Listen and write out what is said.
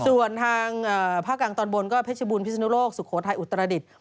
ส่วนทางภาคกลางตอนบนก็เพชรบูรพิศนุโลกสุโขทัยอุตรดิษฐ์